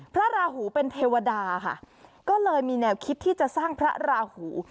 ราหูเป็นเทวดาค่ะก็เลยมีแนวคิดที่จะสร้างพระราหู